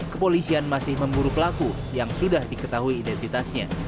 kepolisian masih memburu pelaku yang sudah diketahui identitasnya